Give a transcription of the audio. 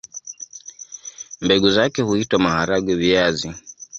Mbegu zake huitwa maharagwe-viazi.